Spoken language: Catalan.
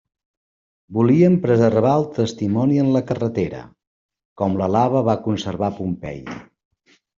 Volíem preservar el testimoni en la carretera… com la lava va conservar Pompeia.